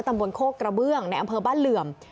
ตำบลโคกกระเบื้องในอำเภอบ้านเหลื่อม